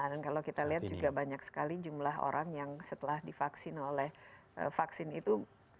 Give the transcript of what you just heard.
dan kalau kita lihat juga banyak sekali jumlah orang yang setelah divaksin oleh vaksin itu